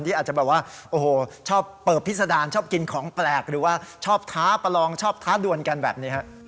ที่อาจจะเปิดพิษดารชอบกินของแปลกหรือว่าชอบท้าประลองชอบท้าด่วนกันแบบนี้